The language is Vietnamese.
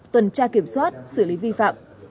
tuần tra kiểm soát xử lý vi phạm